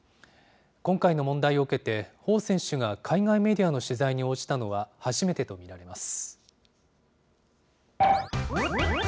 今回の問題を受けて、彭選手が海外メディアの取材に応じたのは初めてと見られます。